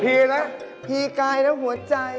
พีละพีกลายและหัวใจ